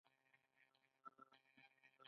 د وخت مدیریت د بریالي کیدو لومړنی شرط دی.